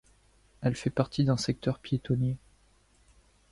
Elle fait partie d'un secteur piétonnier.